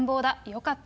よかった。